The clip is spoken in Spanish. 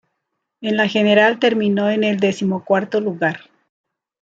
En la general terminó en el decimocuarto lugar.